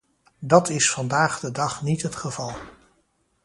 Dat is vandaag de dag niet het geval.